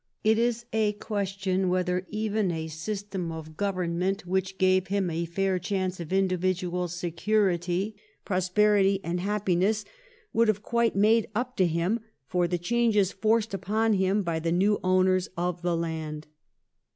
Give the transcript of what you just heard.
It is a question whether even a system of government 1703 THE IRISH PEASANT. 215 which gave him a fair chance of individual security, prosperity, and happiness, would have quite made up to him for the changes forced upon him by the new owners of the land.